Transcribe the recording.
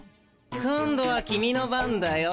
今度はキミの番だよ